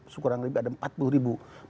sekurang lebih ada empat puluh ribu